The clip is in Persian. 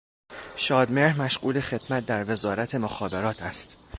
شادمهر مشغول خدمت در وزارت مخابرات است